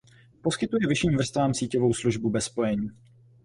Poskytuje vyšším vrstvám síťovou službu bez spojení.